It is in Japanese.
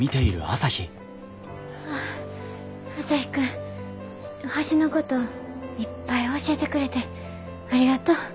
朝陽君星のこといっぱい教えてくれてありがとう。